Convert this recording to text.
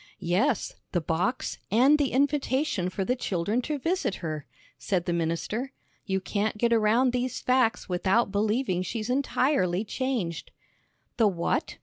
"Yes, the box, and the invitation for the children to visit her," said the minister. "You can't get around these facts without believing she's entirely changed." "The what?"